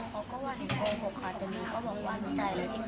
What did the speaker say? อ๋อก็ว่าถึงโอ้โหบค่ะแต่นี่ก็บอกว่าไม่จ่ายเลยจริงค่ะ